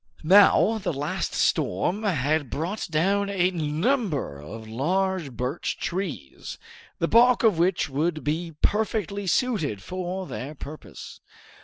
Now the last storm had brought down a number of large birch trees, the bark of which would be perfectly suited for their purpose.